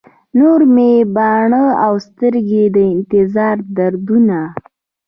نور مې باڼه او سترګي، د انتظار دردونه